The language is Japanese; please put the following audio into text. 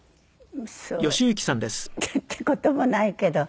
そうって事もないけど。